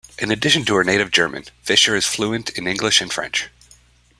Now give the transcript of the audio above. In addition to her native German, Fischer is fluent in English and French.